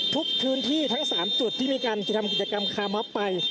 ทุกพื้นที่ทั้ง๓จุดที่มีการทำกิจกรรมคาร์มอบไป